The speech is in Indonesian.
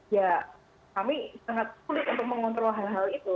ya kami sangat sulit untuk mengontrol hal hal itu